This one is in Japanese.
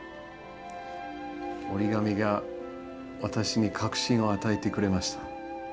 折り紙が私に確信を与えてくれました。